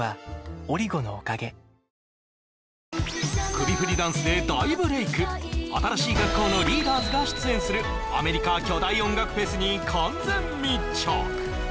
首振りダンスで大ブレイク新しい学校のリーダーズが出演するアメリカ巨大音楽フェスに完全密着